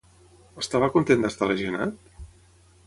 Estava content d'estar lesionat?